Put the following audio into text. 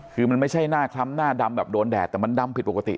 คือมันไม่ใช่หน้าคล้ำหน้าดำแบบโดนแดดแต่มันดำผิดปกติ